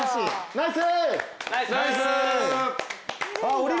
ナイス。